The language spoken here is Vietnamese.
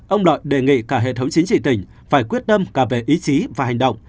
ông đợi đề nghị cả hệ thống chính trị tỉnh phải quyết tâm cả về ý chí và hành động